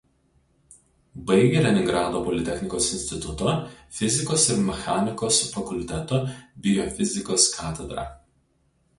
Baigė Leningrado politechnikos instituto Fizikos ir mechanikos fakulteto Biofizikos katedrą.